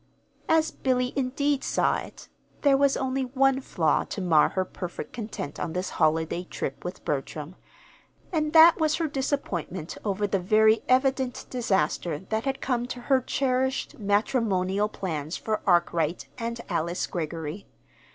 As Billy, indeed, saw it, there was only one flaw to mar her perfect content on this holiday trip with Bertram, and that was her disappointment over the very evident disaster that had come to her cherished matrimonial plans for Arkwright and Alice Greggory.